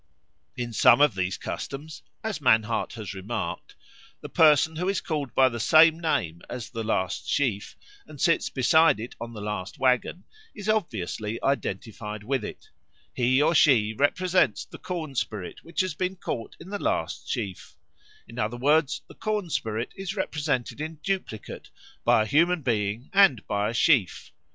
In some of these customs, as Mannhardt has remarked, the person who is called by the same name as the last sheaf and sits beside it on the last waggon is obviously identified with it; he or she represents the corn spirit which has been caught in the last sheaf; in other words, the corn spirit is represented in duplicate, by a human being and by a sheaf.